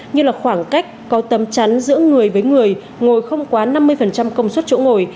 như là khoảng cách có tấm chắn giữa người với người ngồi không quá năm mươi công suất chỗ ngồi